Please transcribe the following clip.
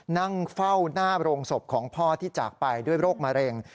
นั่งเฝ้าหน้าโรงศพของพ่อที่จากไปด้วยโรคมะเร็ง